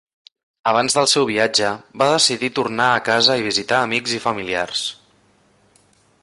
Abans del seu viatge, va decidir tornar a casa i visitar amics i familiars.